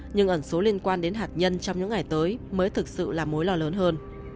nhưng ẩn số liên quan đến hạt nhân trong những ngày tới mới thực sự là mối lo lớn hơn